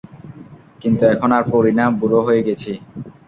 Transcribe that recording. কিন্তু এখন আর পরি না, বুড়ো হয়ে গেছি।